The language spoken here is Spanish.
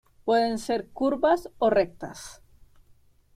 Pueden ser curvas o rectas.